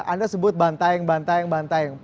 anda sebut bantaing bantaing bantaing